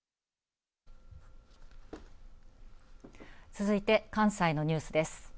続いて関西のニュースです。